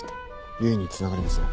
唯につながりません。